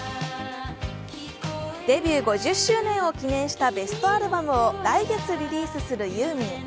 デビュー５０周年を記念したベストアルバムを来月リリースするユーミン。